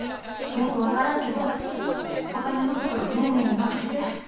よく分からんけどお金のことはネーネーに任せて。